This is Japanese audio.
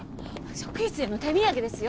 職員室への手土産ですよ